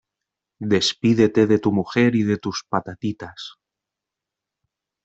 Despídete de tu mujer y de tus patatitas.